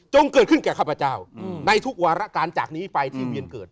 เกิดขึ้นแก่ข้าพเจ้าในทุกวารการจากนี้ไปที่เวียนเกิด